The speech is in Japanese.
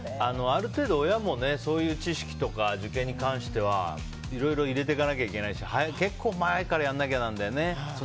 ある程度、親も知識とか受験に関しては、いろいろ入れていかなきゃいけないし結構前からやらなきゃなんだよね。